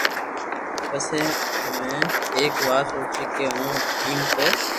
پسي ۾ ايڪ وات سوچي ڪي ھون ايم نھ